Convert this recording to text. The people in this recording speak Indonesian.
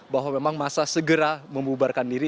bahwa memang masa segera membubarkan diri